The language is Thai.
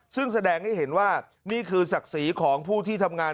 ซึ่งแสดงให้เห็นว่านี่คือศักดิ์ศรีของผู้ที่ทำงาน